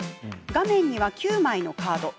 画面には９枚のカード。